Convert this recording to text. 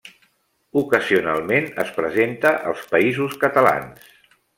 Ocasionalment es presenta als Països Catalans.